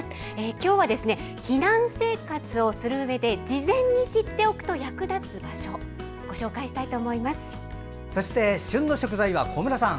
今日は避難生活をするうえで事前に知っておくと役立つ場所をそして旬の食材は小村さん。